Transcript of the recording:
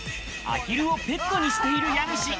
アヒルをペットにしている家主。